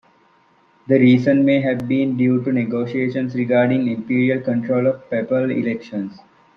The reason may have been due to negotiations regarding imperial control of papal elections.